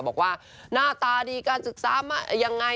บอกว่าหน้าตาดีกันจุดสามารถยังไง